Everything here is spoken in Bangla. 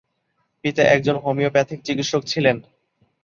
পিতা একজন হোমিওপ্যাথিক চিকিৎসক ছিলেন।